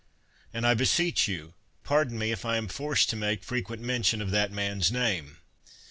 And, I beseech you, pardon me if I am forced to make frequent mention of that man's name.